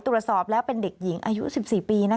ตรวจสอบแล้วเป็นเด็กหญิงอายุ๑๔ปี